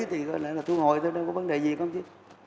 thì có lẽ là thu hồi thôi đâu có vấn đề gì không chứ